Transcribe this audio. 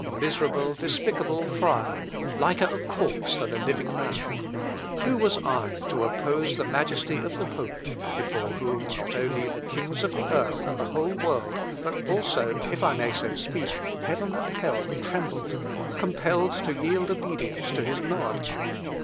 Who was I, a poor, miserable, despicable friar, liker a corpse than a living man; who was I, to oppose the majesty of the pope, before whom not only the kings of the earth and the whole world, but also, if I may so speak, heaven and hell trembled, compelled to yield obedience to his nod?